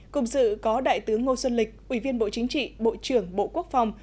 cùng dự có đại tướng ngô xuân lịch ủy viên bộ chính trị bộ trưởng bộ quốc phòng